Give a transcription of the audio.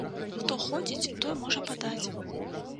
Хто ходзіць, той можа падаць.